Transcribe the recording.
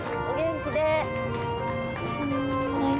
お元気で。